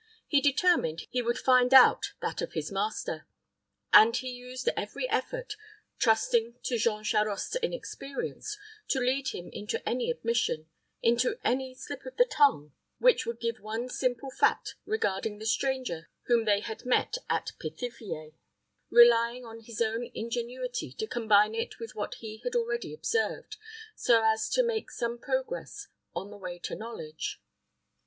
He determined he would find out that of his master, and he used every effort, trusting to Jean Charost's inexperience to lead him into any admission into any slip of the tongue which would give one simple fact regarding the stranger whom they had met at Pithiviers, relying on his own ingenuity to combine it with what he had already observed, so as to make some progress on the way to knowledge.